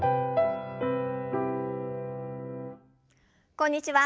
こんにちは。